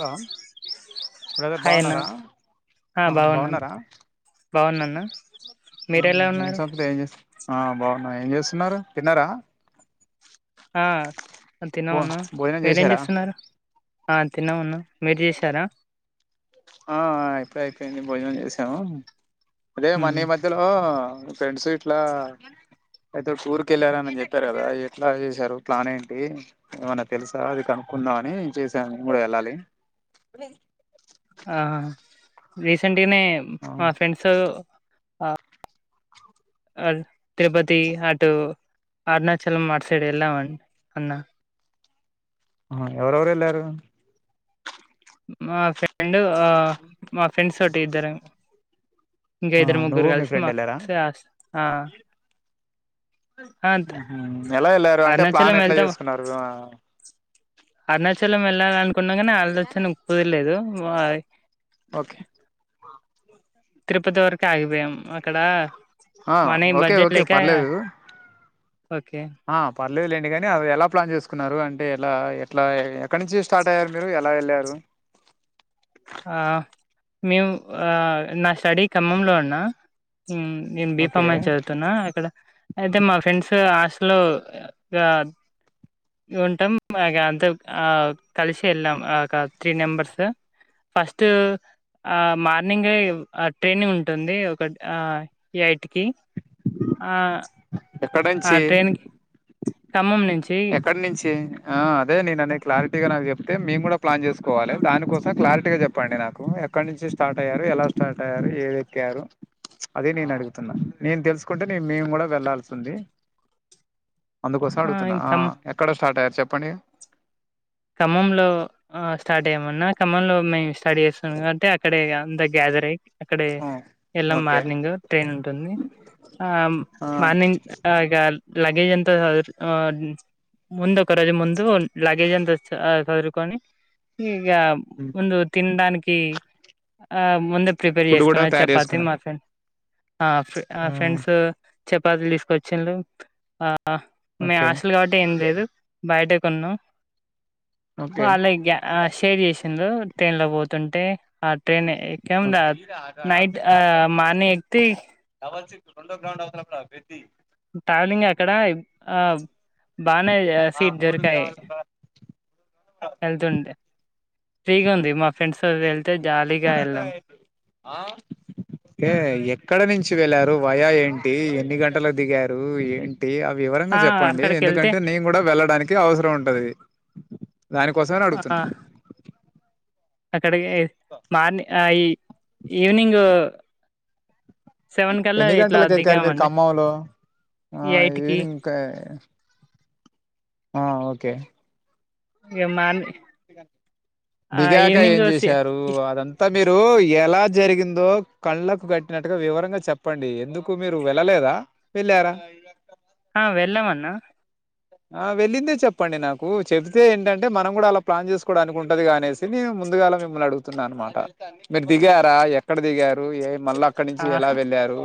Hello brother hi అన్న బాగున్నారా ఆ బాగున్నారా బాగున్నాన్న మీరెలా ఏం ఉన్నారు సంగతులు ఏం చేస్తున్నారు ఆ బాగున్నా ఏం చేస్తున్నారు తిన్నారా ఆ భో తిన్నమన్న భోజనం మీరేం చేశారా చేస్తున్నారు ఆ తిన్నమన్న మీరు చేశారా ఆ అయిపోయి అయిపోయింది భోజనం చేసాము అదే ఉమ్ మొన్న ఈ మధ్య లో ఫ్రెండ్స్ గిట్లా అయితే టూర్ కి వెళ్ళారాని చెప్పారు కదా ఎట్లా చేశారు ప్లాన్ ఏంటి ఏమన్నా తెలుసా అది కనుక్కుందామని చేసాను నేను కూడా వెళ్ళాలి ఆహా రీసెంట్ గానే ఆ మా ఫ్రెండ్స్ అది తిరుపతి అటు అరుణాచలం అటు సైడ్ వెళ్ళాం అన్ అన్న ఆ ఎవరెవరు వెళ్లారు మా ఫ్రెండ్ ఆ మా ఫ్రెండ్స్ తోటి ఇద్దరం ఇంకా ఆ ఇద్దరు ముగ్గురు నువ్వు మీ కలిసి ఫ్రెండ్ మా వెళ్ళారా హా ఉహు ఎలా వెళ్ళారు అంటే అరుణాచలం ప్లాన్ ఎట్లా వెళ్తాం చేసుకున్నారు అరుణాచలం వెళ్ళాలి అనుకున్నా కానీ ఆలోచన కుదరలేదు [unintelligible] ఓకే తిరుపతి వరకే ఆగిపోయాము అక్కడ ఆ మనీ ఓకే బడ్జెట్ ఓకే లేక పర్లేదు ఓకే ఆ పర్లేదు లెండి కానీ అది ఎలా ప్లాన్ చేసుకున్నారు అంటే ఎలా ఎట్లా ఎక్కడి నుంచి స్టార్ట్ అయ్యారు మీరు ఎలా వెళ్ళారు ఆ మేము ఆ నా స్టడీ ఖమ్మంలో అన్న హ్మ్ నేను బి ఓకే కాం చదువుతున్నా అక్కడ అయితే మా ఫ్రెండ్స్ హాస్టల్ ఇగ ఉంటాం అంత ఆ కలిసి వెళ్ళాం ఆ ఒక త్రీ నెంబర్స్ ఫస్ట్ ఆ మార్నింగ్ ఆ ట్రైని ఉంటుంది ఒక ఆ ఐట్కి ఆ ఎక్కడ ఆ నుంచి ట్రైన్కి ఖమ్మం నుంచి ఎక్కడి నుంచి ఆ అదే నేను అనే క్లారిటీగా నాకు చెప్ప అయితే మేము కూడా ప్లాన్ చేసుకోవాలే దానికోసం క్లారిటీగా చెప్పండి నాకు ఎక్కడ నుంచి స్టార్ట్ అయ్యారు ఎలా స్టార్ట్ అయ్యారు ఏది ఎక్కారు అదే నేను అడుగుతున్నా నేను తెలుసుకుంటే నేను మేము కూడా వెళ్లాల్సి ఉంది అందుకోసం అడుగుతున్నా ఆ ఎక్కడ స్టార్ట్ అయ్యారు చెప్పండి ఖమ్మం లో స్టార్ట్ అయ్యాము అన్నా ఖమ్మంలో మేము స్టడీ చేస్తున్నాంటే అక్కడే ఇగ అంత గ్యాతరై అక్కడే ఆ ఇళ్ల ఓకే మార్నింగ్ ట్రైన్ ఉంటుంది ఆ ఆ మార్నింగ్ ఇగా లగేజ్ అంత చదురు ఉ ముందు ఒక రోజు ముందు లగేజ్ అంత చ చదుర్కొని ఇగ ముందు తినడానికి ఆ ముందే ప్రిపేర్ ఫుడ్ కూడా చేసుకున్నా తయారు చపాతి చేసుకున్నారు మా ఫ్రెండ్ ఆ ఆ ఫ్రెండ్స్ చపాతీలు తీసుకొచ్చిలు ఆ మే ఓకే హాస్టల్ కాబట్టి ఏం లేదు బయటె కొన్నాం ఓకే వాళ్ళే ఈగ షేర్ చేసిండ్రు ట్రైన్ లో పోతుంటే ఆ ట్రైన్ ఎక్కాం ఓకే దా నైట్ మార్నింగ్ ఎక్తె డబుల్ సిక్స్ రెండో గ్రౌండ్ అవుతల పెద్ది ట్రావెలింగ్ అక్కడ ఆ బానే సీట్ దొరికాయి వెల్తుంటే ఫ్రీగా ఉంది మా ఫ్రెండ్స్ వెల్ తే జాలి కరెంట్ ఆయే ఆ ఏ ఎక్కడ నుంచి వెళ్లారు వయా ఏంటి ఎన్ని గంటలకు దిగారు ఏంటి టి ఆ వివరంగా ఆ చెప్పండి అక్కడికి వెళ్తే ఎందుకంటే నేను కూడా వెళ్ళడానికి అవసరం ఉంటది దానికోసమే నే ఆ అడుగుతున్నా అక్కడికి మార్నింగ్ ఈ ఈవినింగ్ సెవెన్ కల్లా ఎన్ని ఇట్లా గంటలకి ఎక్కారు మీరు దిగామండి ఖమ్మంలో ఆ ఎయిట్ కి ఈవినింగ్ కే హా ఒకే ఇగ మార్ దిగాక ఏం సి చేశారు అదంతా మీరు ఎలా జరిగిందో కళ్లకు కట్టినట్టుగా వివరంగా చెప చెప్పండి ఎందుకు మీరు వెళ్ళలేదా వెళ్ళారా ఆ వెళ్ళామన్న ఆ వెళ్ళిందే చెప్పండి నాకు చెబితే ఏంటంటే మనం కూడా అలా ప్లాన్ చేసుకోవడనికి కుంటదిగ అనేసి నే ముందుగాల మిమ్మల్ని అడుగుతున్నా అనమాట మీరు దిగారా ఎ ఎక్కడ దిగారు? ఏ మళ్ళా అక్కడి నుంచి ఆ ఎలా వెళ్ళారు?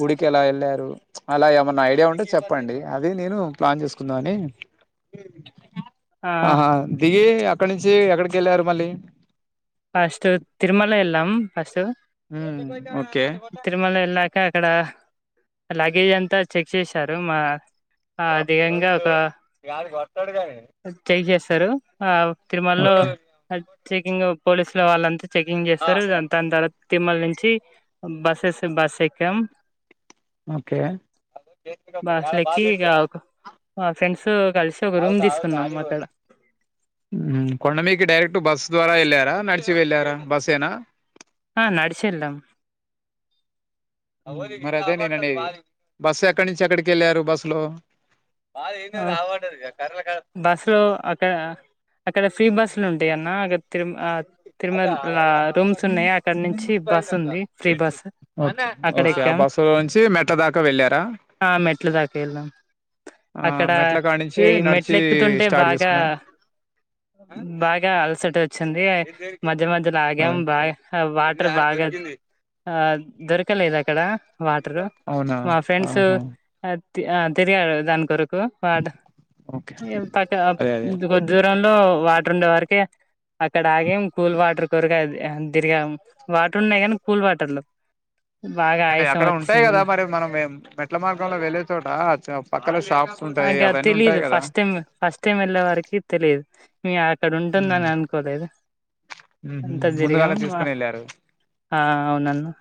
గుడికి ఎలా ఎళ్ళారు, అలా ఏమన్నా ఐడియా ఉంటే చెప్పండి. అది నేను ప్లాన్ చేసు కుందామని ఆ ఆహా దిగి అక్కడ నుంచి ఎక్కడికెళ్ళారు మళ్ళీ? ఫస్ట్ తిరుమల ఎళ్ళాం ఫస్ట్. హ్ ఓకే. తిరుమల ఎళ్ళాక అక్కడ లగేజ్ అంతా చెక్ చేశారు, మా పొర అధికంగా రెండు ఒక కాది కొస్తాడు కానీ చెక్ చేస్తరు, ఆ తిరుమలలో ఓకే చెకింగ్ పోలీసులు వాళ్ళంతా చెకింగ్ చేస్తరు దాని తర్వాత తిరుమల నుంచి బస్సేస్ బస్ ఎక్కాం. ఓకే. బస్ ఎక్కి ఇక మా ఫ్రెండ్స్ కలిసి ఒక రూమ్ తీసుకున్నాం అక్కడ. కొండ మీదకి డైరెక్ట్ బస్ ద్వారా ఎళ్ళారా, నడిచి వెళ్ళారా, బస్సేనా. ఆ నడిచెల్లాం. మరి అదే నేను అనేది. బస్సు ఎక్కడి నుంచి ఎక్కడికి ఎళ్ళారు బస్సులో. మా ఆవవాడ కర క బస్సులో అక్కడ అక్కడ ఫ్రీ బస్సులు ఉంటయి అన్న అక్కడ తిరుమ ఆ తిరుమలలా రూమ్స్ ఉన్నయి. అక్కడ నుంచి బస్ ఉంది, ఫ్రీ బస్. అక్కడ ఓకే ఆ ఎక్కాం, బస్సు లో నుంచి మెట్ల దాకా వెళ్ళారా ఆ మెట్ల దాకా ఎళ్ళాం. ఆ అక్కడ మెట్ల కాడి నుంచి ఈ మెట్లు నడిచి ఎక్కుతుంటే స్టార్ట్ బాగా చేసుకున్నా బాగా అల్సటా వ చ్చంది, మధ్య మధ్యలా ఆగాం బాగా వాటర్ బాగా ఆ దొరకలేదు అక్కడ వాటరు. అవునా మా ఫ్రెండ్స్ ఆహా ఆ తి తిరిగాడు దాని కొరకు వాడు ఓకే ఇంతక అదే అదే ముందు కొద్ది దూరంలో వాటర్ ఉండే వరికే అక్కడ ఆగం కూల్ వాటర్ కొరకు అది తిరిగాం. వాటర్ ఉన్నయి కానీ కూల్ వాటర్ లేవు. ఏలే అక్కడ ఉంటయి కదా మరి మనం మేం మెట్ల మార్గంలో వెళ్ళే చోటా పక్కల షాప్స్. ఉంటాయి అగా అవన్నీ ఉంటాయి తెలీదు కదా ఫస్ట్ టైమ్ గా. ఫస్ట్ టైం వెళ్ళే వారికి తెలియదు. మీ అక్కడ ఉంటుందని అనుకోలేదు. అంతా తిరిగాం ముందుగాల తీసుకుని వెళ్ళారు ఆ అవునన్నా.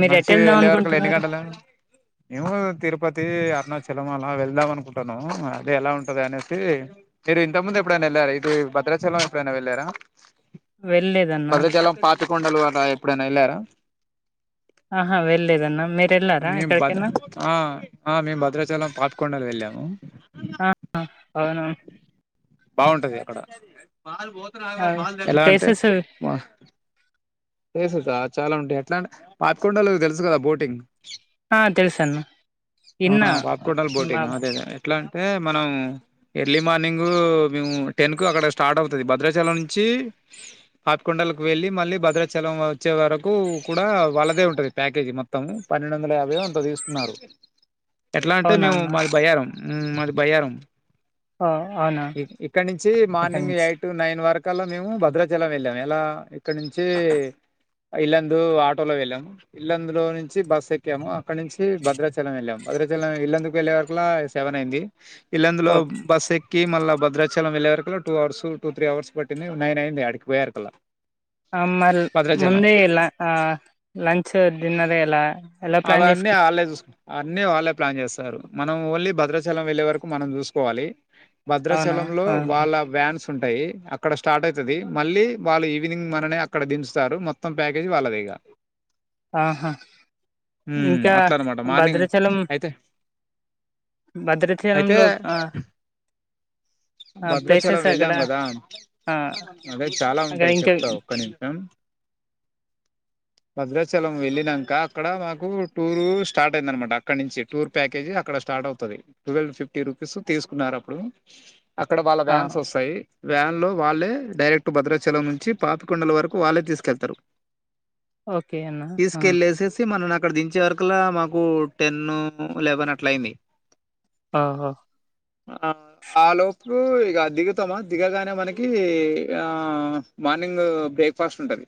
మీరు ఎటు నడిచి వెళ్దాం వెళ్ళే వరకల్లా ఎన్ని అనుకుంటున్నారు గంటలు అయి మేము తిరుపతి, అరుణాచలం అలా వెళ్దాం అనుకుంటున్నాము. అది ఎలా ఉంటది అనేసి మీరు ఇంతక ముందు ఎప్పుడైనా ఎళ్ళారా, ఇటు భద్రాచలం ఎప్పుడైనా వెళ్ళారా. వెళ్ళలేదన్నా భద్రాచలం, పాపికొండలు అలా ఎప్పుడైనా ఎళ్ళారా. ఆహా వెళ్ళేలేదన్నా మీర్ మేం భద్ర ఆ ఆ మేము భద్రాచలం పాపికొండలు వెళ్ళాము. ఆ అవునవును. బావుంటది అక్కడ ఆ, ఎలా అంటే ప్లేసెస్ మా ప్లేస్ సా చాలా ఉంటయి ఎట్లా అంటే పాపికొండలు తెలుసు కదా బోటింగ్. ఆ తెలుసు అన్న ఆ ఇన్నా పాపికోండలు మా బోటింగ్ అదే అదే ఎట్లా అంటే మనం ఎర్లీ మార్నింగ్ మేము టెన్ కు అక్కడ స్టార్ట్ అవుతది భద్రాచలం నుంచి పాపికొండలకు వెళ్ళి మళ్ళీ భద్రా చలం వచ్చే వరకు కూడా వాల్లదే ఉంటది ప్యాకేజీ మొత్తం. పన్నెండు వందల యాభైయో ఎంతో తీసుకున్నారు. ఎట్లా అంటే అవునా మేము అన్న మాది భయ్యారం, మాది భయ్యారం. ఓ, అవునా ఇ ఇక్కడ నుంచి అక్కడి మార్నింగ్ నుంచి ఎయిట్ కరెక్ట్ నైన్ వరకల్లా మేము భద్రాచలం వెళ్ళాము ఎలా ఇక్కడ నుంచి ఇల్లందు ఆటోలో వెేళ్ళం ఇల్లందులో నుంచి బస్సు ఎక్కాము అక్కడ నుంచి భద్రాచలం వెళ్ళాము భద్రాచలం ఇల్లందుకు వెళ్ళే లోపల సెవెన్ అయింది ఇల్లందులో ఓకే బస్ ఎ కి మళ్ళా భద్రాచలం వెళ్ళవారు కల్లా two hours two three hours పట్టింది నైన్ అయింది అడికి పోయారు కల్లా ఆ మల్ల ముందే ఇలా ఆ లంచ్ డిన్నర్ ఇలా అవన్నీ ఆలే చూసుకు అన్ని వాళ్ళే ప్లాన్ చేస్తారు మనం ఓన్లీ భద్రాచలం వెళ్ళే వరకు మనం చూసుకోవాలి అవునా భద్రాచలం లో ఆహా వాళ్ళ వ్యాన్స్ ఉంటాయి అక్కడ స్టార్ట్ అవుతుది మళ్ళీ వాళ్ళు ఈవినింగ్ మననే అక్కడ దించుతారు మొత్తం ప్యాకేజీ వాళ్ళది ఇగా ఆహా ఉమ్ ఇంకా అట్లా అనమాట మార్నింగ్ భద్రాచలం అయితే అయితే భద్రాచలంలో ఆ భద్రాచలం ప్లేసెస్ అక్కడ వెళ్ళాం కదా ఆ అదే చాలా అక్కడ ఉంటాయి ఇంకా చెప్తా ఒక్క నిమిషం భద్రాచలం వెళ్ళినాక అక్కడ మాకు టూర్ స్టార్ట్ అయింద అనమాట అక్కడ నుంచి టూర్ ప్యాకేజీ అక్కడ స్టార్ట్ అవుతది టువల్ ఫిఫ్టీ రూపీస్ తీసుకున్నారు అప్పుడు అక్కడ వాళ్ళ ఆ వ్యాన్స్ వస్తాయి వ్యాన్లో వాళ్ళే డైరెక్ట్ భద్రాచలం నుంచి పాపికొండల వరకు వాళ్ళే తీసుకువెళ్తారు ఓకే అన్న ఆ తీసుకెళ్ళేసేసి అయితే మనల్ని అ క్కడ దించే వరకులా మాకు టెన్ ఎలెవెన్ అట్లా అయింది ఆహా ఆ ఆ లోపలు ఇక దిగుతామా దిగగానే మనకి ఆ మార్నింగ్ బ్రేక్ఫాస్ట్ ఉంటుంది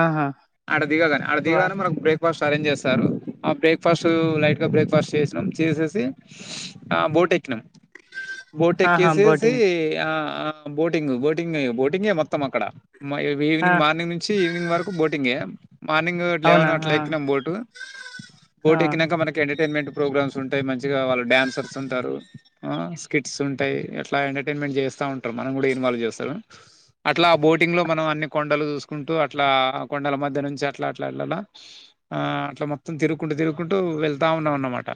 ఆహా అడదిగాగాని వా అడదిగాని మనకు బ్రేక్ బ్రేక్ఫాస్ట్ అరేంజ్ చేస్తారు ఆ బ్రేక్ఫాస్ట్ లైట్ గా బ్రేక్ఫాస్ట్ చేసినాం చేసేసి ఆ బోట్ఎక్కినామ్ బోట్ ఆహా ఎక్కేసేసి బోటింగ్ ఆ ఆ బోటింగ్ బోటింగ్ బోటింగే మొత్తం అక్కడ మ ఆ ఈవినింగ్ మార్నింగ్ నుంచి ఈవినింగ్ వరకు బోటింగే మార్నింగ్ అవునా లెవెన్ ఆ అట్ల ఎక్కినాం బోటు ఆ బోటు ఎక్కిక మనకి ఎంటర్టైన్మెంట్ ప్రోగ్రామ్స్ ఉంటాయి మంచిగా వాళ్ళు డడాన్సర్స్ ఉంటారు ఆ స్కిట్స్ ఉంటాయి అట్లా ఎంటర్టైన్మెంట్ చేస్తా ఉంటారు మనం కూడా ఇన్వాల్వ్ చేస్తారు అట్లా బోటింగ్ లో మనం అన్ని కొండలు చూసుకుంటూ అట్లా కొండల మధ్య నుంచి అట్లా అట్లా ఆలాల ఆ అట్లా మొత్తం తిరుగుకుంటూ తిరుగుకుంటూ వెళ్తా ఉన్నాం అన్నమాట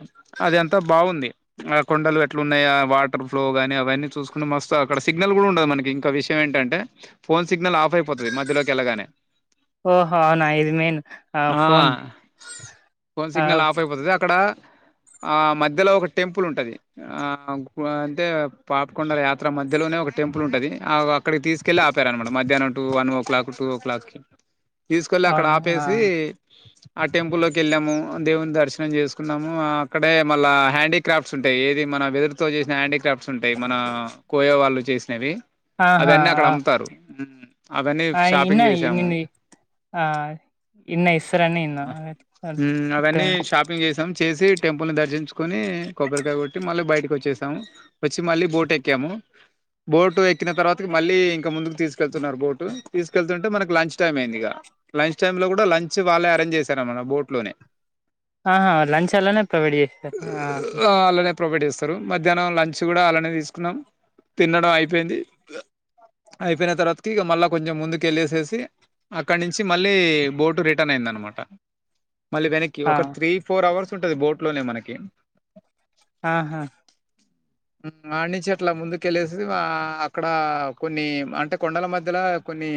అది అంతా బాగుంది ఆ కొండలు ఇట్లు ఉన్నాయా వాటర్ ఫ్లో కాని అవన్నీ చూసుకోని మస్తు అక్కడ సిగ్నల్ కూడా ఉండదు మనకి ఇంకా విషయం ఏంటంటే ఫోన్ సిగ్నల్ ఆఫ్ అయిపోతుంది మధ్యలోకి వెళ్ళగానే ఓహో నయిది మెయిన్ ఆ ఫోన్ ఫోన్ ఆ సిగ్నల్ ఆఫ్ ఫ్ అయిపోతుంది అక్కడ ఆ మధ్యలో ఒక టెంపుల్ ఉంటది ఆ అదే పాపకొండల యాత్ర మధ్యలోనే ఒక టెంపుల్ ఉంటది ఆ వాక్ అక్కడి తీసుకెళ్లి ఆపారనమాట మధ్యాహ్నం two one o'clock two o'clock తీసుకెళ్లి అక్కడ అవునా ఆ ఆపేసి ఆ టెంపుల్ లోకి వెళ్ళాము దేవుని దర్శనం చేసుకున్నాము అక్కడే మళ్ళా హ్యాండీక్రాఫ్ట్స్ ఉంటాయి ఏది మన వెదురుతో చేసిన హ్యాండీక్రాఫ్ట్స్ ఉంటాయి మన కోయ వాళ్ళు చేసినవి ఆహా అవన్నీ అక్కడ అమ్ముతారు అవన్నీ ఆ ఇన్న షాపింగ్ చేసాము నిన్ను ఆ ఇన్న ఇస్సారనే ఇన్న మ్మ్ అవన్నీ షాపింగ్ చేసాం చేసి టెంపుల్ ని దర్శించుకుని కొబ్బరికాయ కొట్ టి మళ్ళీ బయటికోచ్చేసాం వచ్చి మళ్ళీ బోట్ ఎక్కాము బోటు ఎక్కిన తర్వాత మళ్ళీ ఇంకా ముందుకు తీసుకెళ్తున్నారు బోటు తీసుకెళ్తుంటే మనకు లంచ్ టైమ్ అయింది ఇగా లంచ్ టైమ్ లో కూడా లంచ్ వాళ్ళే అరేంజ్ చేశారనమాట బోట్ లోనే ఆహా లంచ్ అల్లనే ప్రొవైడ్ చేస్ రా ఆ అలానే ప్రొవైడ్ చేస్తారు మధ్యాహ్నం లంచ్ కూడా అలానే తీసుకున్నాం తినడం అయిపోయింది అయిపోయిన తర్వాతకి ఇగ మళ్ళా కొంచం ముందుకెళ్ళేసేసి అక్కడ నుంచి మళ్ళీ బోటు రిటర్న్ అయిందనమాట మళ్ళీ వెనీక్ కీ ఆ! ఒక త్రీ ఫోర్ అవర్స్ ఉంటది బోట్ లోనే మనకి ఆహా అడ్ నుంచి అట్లా ముందుకెళ్ళేసి అక్కడ కొన్ని అంటే కొండల మధ్యల కొన్ని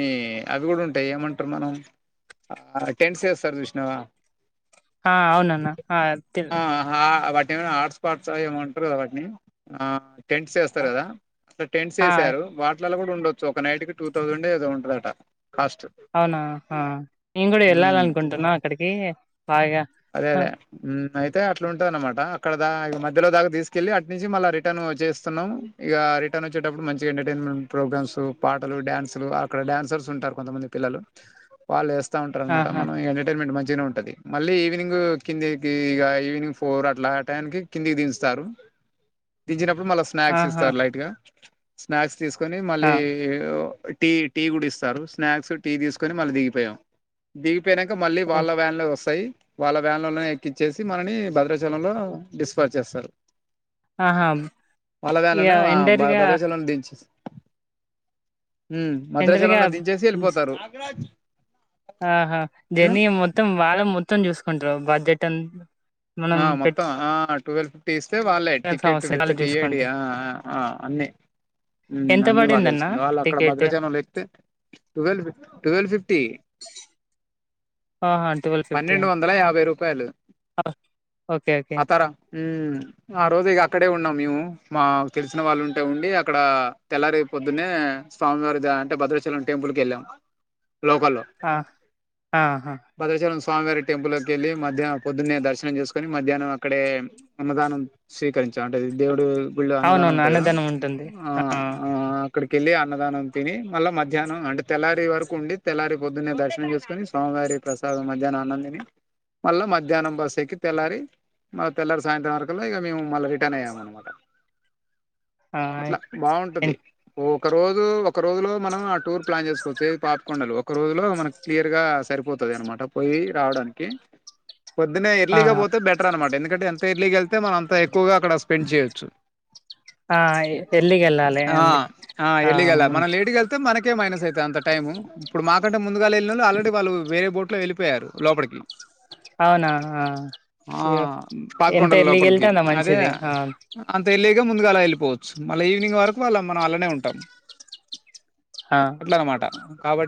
అవి కూడా ఉంటాయి ఏమంటారు మన ఆ టెంట్స్ ఎస్తారు చూసినవా ఆ అవునన్న తెల్ వాటి ఏమనా హాట్స్పాట్స్ ఆ ఏమో అంటారుగా వాటిని టెంట్స్ ఎస్ స్తారు కదా అక్కడ టెంట్స్ ఆ ఎసారు వాట్ లల్ల కూడా ఉండొచ్చు ఒక నైట్ కి టూ థౌసండ్ ఏదో ఉంటదట కాస్ట్ అవునా ఆ నేను కూడా హ్మ్. వెళ్ళాలనుకుంటున్నా అక్కడికి బాగా అదే ఆ! అదే అయితే అట్లా ఉంటందన్నమాట అక్కడ దా మధ్యలో దాకా తీసుకెళ్ళలి అటు నుంచి మళ్ళా రిటర్న్ చేస్తున్నాం ఇక రిటర్న్ వచ్చేటప్పుడు మంచిగా ఎంటర్టైన్మెంట్ ప్రోగ్రామ్స్ పాటలు డ్యాన్సులు అక్కడ డడాన్సర్స్ ఉంటారు కొంతమంది పిల్లలు వాళ్ళేస్తా ఉంటారనమాట ఆహా మనం ఎంటర్టైన్మెంట్ మంచిగానే ఉంటుది మళ్ళీ ఈవినింగ్ గ్ కిందికి ఇగా ఈవినింగ్ ఫోర్ అట్లా ఆ టాయానికి కిందికి దించుతాన్రూ దించినప్పుడు మళ్ళా స్నాక్స్ ఆహా ఇస్తారు లైట్ గా స్నాక్స్ తీసుకొని ఆ మళ్ళీ టీ టీ కూడా ఇస్తారు స్నాక్స్ టీ తీసుకోని మళ్ళీ దిగిపోయాం దిగిపోయినాక మళ్ళీ ఓ వాళ్ళ వ్యాన్లే వస్తాయి వాళ్ళ వ్యాన్ల ఎక్కించేసి మనల్ని భద్రాచలంలో డిస్పాజ చేస్తారు ఆహా వాళ్ళ ఇగ వన్లానే బ ఎండరిగా భద్రాచలంలో దించి ఉ భద్రాచలం ఎండరిగా లో దించేసి వెళ్ళిపోతారు ఆహా జర్నీ మొత్తం వాళ్ళే మొత్తం చూసుకుంటారు బడ్జెట్ అం ఆ మొత్తం హా టువేల్ తీస్తే వాళ్ళే పెట్టాల్సిన టికెట్ అవసరం విత్ వాళ్ళు టీఏడి చూసుకుంటారు ఆ అన్ని హు ఎంత అన్ని వాళ్ళే పడిందన్న చుసుకుంటే వాళ్ళు అక్కడ టికెట్ భద్రాచలం లెక్కితే టువేల్ ఫి ట్వెల్వ్ ఫిఫ్టీ ఆహా పన్నెండు వందల యాభై రూపాయలు ఆ ఆతర హ్మ్ ఆ రోజు ఇక అక్కడే ఉన్నాం మేము మా తెలిసిన వాళ్ళు ఉంటే ఉండి అక్కడ తెల్లారి పొద్దునే స్వామివారి అంటే భద్రాచలం టెంపుల్ కేళ్ళాం లోకల్లో ఆ ఆహా భద్రాచశలం స్వామివారి టెంపుల్ లో కెళ్ళి మధ్య పొద్దున్నే దర్శనం చేస్ కని మధ్యాహ్నం అక్కడే అన్నదానం స్వీకరించా అంటే దేవుడు గుళ్ళో అన్నదానం అవునవును అన్నదనం ఉంటుంది ఆ అక్కడికెళ్ళి అన్నదానం తిని మళ్ళా మధ్యాహ్నం అంటే తెల్లారి వరకు ఉండి తెల్లారి పొద్దున్నే దర్శనం చేసుకునిస్వామివారి ప్రసాదం మధ్యాహ్న అన్నంతిని మళ్ళా మధ్యాహ్నం బస్ ఎక్కి తెల్లారి మా తెల్లారి సాయంత్రం వరకల్లా ఇక మేము మళ్ళీ రిటర్న్ అయ్యాము అన్నమాట ఆ అట్లా బాగుంటది ఒక రోజు ఒక రోజులో మనం ఆ టూర్ ప్లాన్ చేసుకోవచ్చు ఏ పాపికొండలు ఒక రోజులో మనం క్లియర్ గా సరిపోతది అనమాట పోయి రావడానికి పొద్దునే ఆ ఎర్లీగా పోతే బెటర్ అనమాట ఎందుకంటే ఎంత ఎర్లీగా వెళ్తే మనం అంత ఎక్కువగా అక్కడ స్పెండ్ చేయొచ్చు ఆ ఎర్లీగ వెళ్ళాలి అందుక ఆ ము అ మనకే మైనస్ అయితే అంతై ఇప్పుడు మాకంటే ముందుగా వెళ్ళిన వాళ్ అలెడీ వాళు వేరేబోట్ లో వెళ్లిపోయారు లోపలికి అవునా ఆ అయ్యో! ఎంత పాపికొండలు ఎర్లీగా వెళ్తే లోపలికి అంత అదే మంచిది ఆ అంత ఎర్లీగా ముందుగా అలా వెళ్లిపోవచ్చు మళ్ళ ఈవినింగ్ వరకు వాళ్ళ మనం అలానే ఉంటాం ఆ అట్లా అన్నమాట కాబట్టి